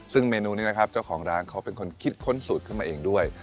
ซึ่งเมนูนี้นะครับเจ้าของร้านเขาเป็นคนคิดค้นสูตรขึ้นมาเองด้วย